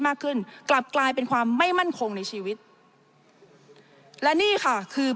มากขึ้นกลับกลายเป็นความไม่มั่นคงในชีวิตและนี่ค่ะคือ